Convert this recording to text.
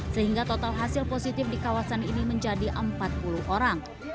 sehingga total hasil positif di kawasan ini menjadi empat puluh orang